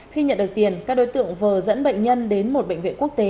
khi nhận được tiền các đối tượng vừa dẫn bệnh nhân đến một bệnh viện quốc tế